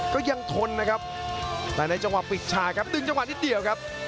ก็ยังทนนะครับแต่ในจังหวะปิดฉากครับดึงจังหวะนิดเดียวครับ